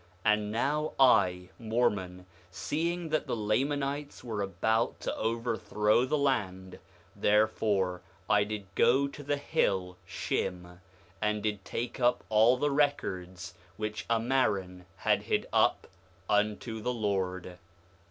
4:23 And now I, Mormon, seeing that the Lamanites were about to overthrow the land, therefore I did go to the hill Shim, and did take up all the records which Ammaron had hid up unto the Lord.